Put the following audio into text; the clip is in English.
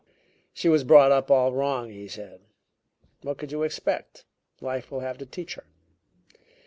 "'She was brought up all wrong,' he said. 'What could you expect? Life will have to teach her.